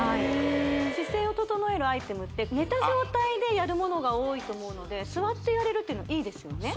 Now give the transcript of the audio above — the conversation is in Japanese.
姿勢を整えるアイテムって寝た状態でやるものが多いと思うので座ってやれるっていいですよね